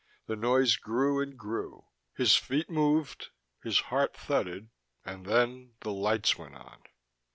The noise grew and grew. His feet moved, his heart thudded.... And then the lights went on.